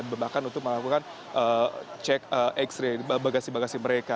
bahkan untuk melakukan cek x ray bagasi bagasi mereka